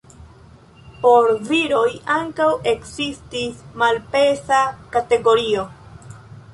Por viroj ankaŭ ekzistis malpeza kategorio.